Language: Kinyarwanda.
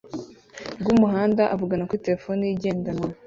rwumuhanda avugana kuri terefone ye igendanwa